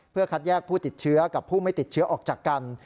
เพื่อคัดแยกผู้ติดเชื้อกับผู้ไม่ติดเชื้อออกจากกัน